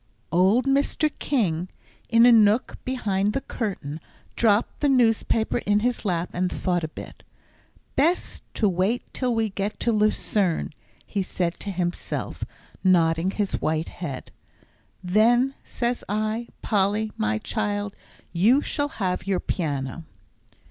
Old Mr. King in a nook behind the curtain, dropped the newspaper in his lap and thought a bit. "Best to wait till we get to Lucerne," he said to himself, nodding his white head; "then, says I, Polly, my child, you shall have your piano."